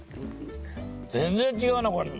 全然違うなこれ。